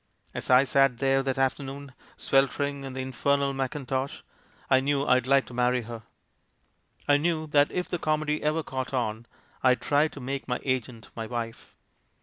As I sat there that afternoon, sweltering in the infer nal mackintosh, I knew I'd like to marry her; I knew that if the comedy ever caught on, I'd try to make my agent my wife.